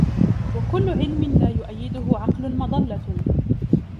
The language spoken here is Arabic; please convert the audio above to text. وَكُلُّ عِلْمٍ لَا يُؤَيِّدُهُ عَقْلٌ مَضَلَّةٌ